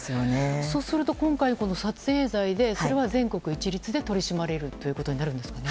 そうすると今回、撮影罪でそれは全国一律で取り締まれるということになるんですかね。